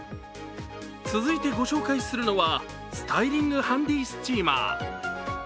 続いてご紹介するのはスタイリングハンディスチーマー。